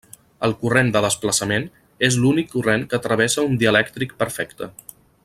El corrent de desplaçament és l'únic corrent que travessa un dielèctric perfecte.